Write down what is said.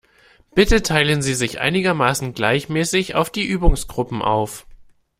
Bitte teilen Sie sich einigermaßen gleichmäßig auf die Übungsgruppen auf.